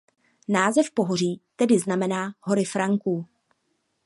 Název pohoří tedy znamená "Hory Franků".